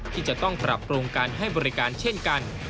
ที่จะต้องปรับปรุงการให้บริการเช่นกัน